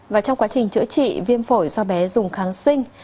và trong quá trình chữa trị viêm phổi do bé dùng kháng sinh